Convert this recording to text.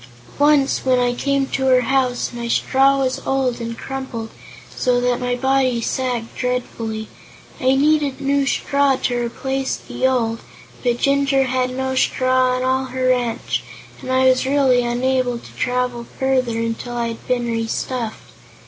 "Once, when I came to her house, my straw was old and crumpled, so that my body sagged dreadfully. I needed new straw to replace the old, but Jinjur had no straw on all her ranch and I was really unable to travel farther until I had been restuffed.